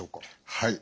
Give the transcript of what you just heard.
はい。